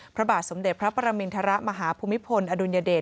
พระบาทสมเด็จพระปรมินทรมาฮภูมิพลอดุลยเดช